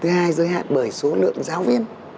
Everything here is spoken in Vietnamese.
thứ hai giới hạn bởi số lượng giáo viên